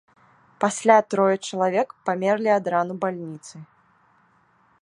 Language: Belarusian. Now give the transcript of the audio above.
Пасля трое чалавек памерлі ад ран у бальніцы.